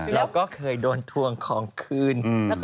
แล้วก็เคยโดนทวงของคืน